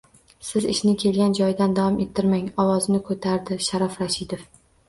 — Siz ishni kelgan joyidan davom ettirmang! — ovozini ko‘tardi Sharof Rashidov.